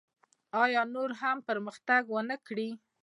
آیا نور هم پرمختګ ونکړي؟